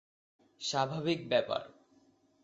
স্বাভাবিক ব্যাপার।